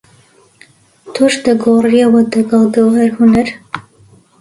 تۆش دەگۆڕیەوە دەگەڵ گەوهەر هونەر؟